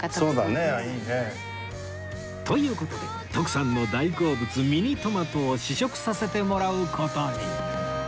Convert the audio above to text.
という事で徳さんの大好物ミニトマトを試食させてもらう事に